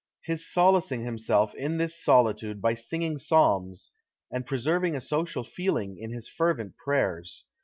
His solacing himself in this solitude by singing psalms, and preserving a social feeling in his fervent prayers.